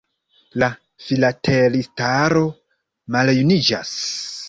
La filatelistaro maljuniĝas.